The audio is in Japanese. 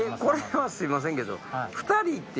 これはすいませんけど。